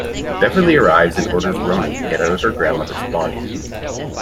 Beverly arrives and orders Ronin to get out of her grandmother's body.